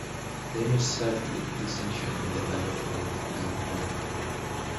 The unit served with distinction in the Battle of Gallipoli.